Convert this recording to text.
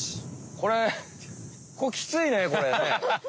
これこれキツいねこれね。